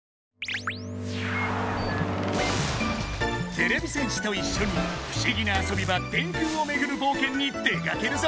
てれび戦士といっしょに不思議な遊び場電空をめぐる冒険に出かけるぞ！